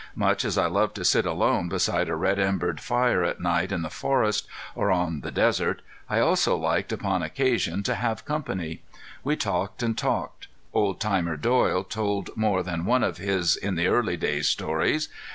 Much as I loved to sit alone beside a red embered fire at night in the forest, or on the desert, I also liked upon occasions to have company. We talked and talked. Old timer Doyle told more than one of his "in the early days" stories.